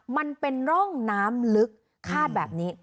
มันเป็นร่องน้ำลึกคาดแบบนี้